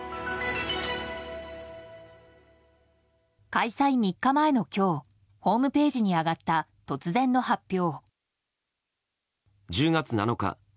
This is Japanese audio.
開催３日前の今日ホームページに上がった突然の発表。